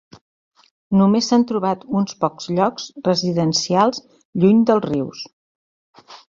Només s'ha trobat uns pocs llocs residencials lluny dels rius.